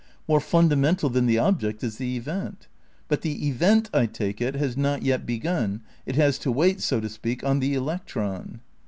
More fundamental than the object is the event. But the event, I take it, has not yet begun, it has to wait, so to speak, on the electron.